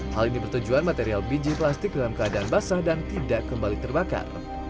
hal ini bertujuan material biji plastik dalam keadaan basah dan tidak kembali terbakar